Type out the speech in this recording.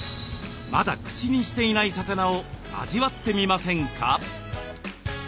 まだ口にしていない魚を味わってみませんか？